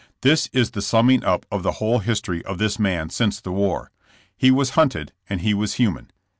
This is the summing up of the whole history of this man since the war. He was hunted, and he was human.